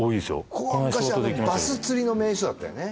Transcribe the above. ここは昔バス釣りの名所だったよね